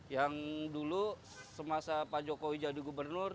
yang dulu semasa pak joko widja di gubernur